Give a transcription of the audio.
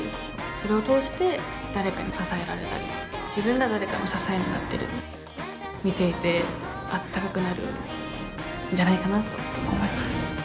それを通して誰かに支えられたり自分が誰かの支えになったり見ていてあったかくなるんじゃないかなと思います。